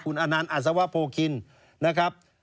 คุณอนันต์อัศวะโพคินนะครับ